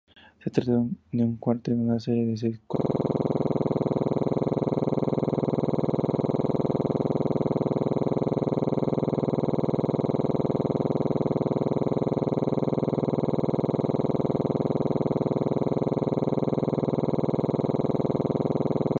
No obstante, siguió suscitando críticas: Cervantes hablaba de adulterio, celos y crimen.